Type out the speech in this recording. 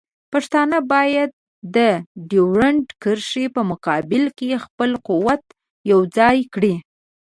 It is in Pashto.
پښتانه باید د ډیورنډ کرښې په مقابل کې خپل قوت یوځای کړي.